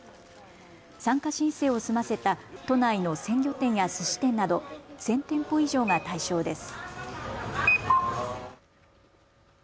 参加申請を済ませた都内の鮮魚店やすし店など１０００店舗以上が対象です。